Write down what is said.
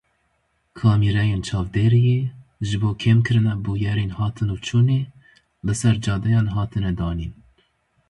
Kamîreyên çavdêriyê ji bo kêmkirina bûyerên hatinûçûnê li ser cadeyan hatine danîn.